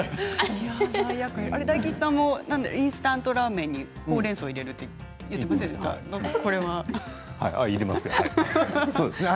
大吉さんもインスタントラーメンにほうれんそうを入れると言っていましたね。